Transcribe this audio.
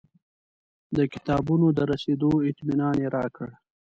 د کتابونو د رسېدو اطمنان یې راکړ.